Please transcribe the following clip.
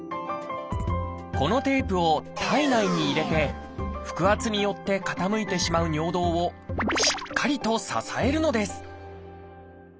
このテープを体内に入れて腹圧によって傾いてしまう尿道をしっかりと支えるのです。